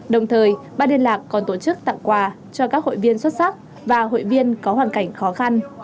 đồng thời ban liên lạc còn tổ chức tặng quà cho các hội viên xuất sắc và hội viên có hoàn cảnh khó khăn